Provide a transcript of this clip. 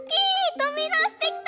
とびだしてきた！